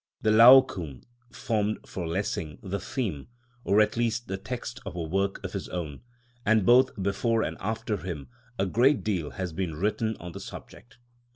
The Laocoon formed for Lessing the theme, or at least the text of a work of his own, and both before and after him a great deal has been written on the subject.